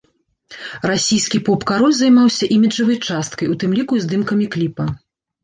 Расійскі поп-кароль займаўся іміджавай часткай, у тым ліку і здымкамі кліпа.